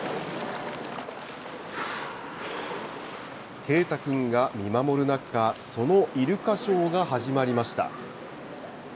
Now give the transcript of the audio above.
啓太くんが見守る中、そのイルカショーが始まりました。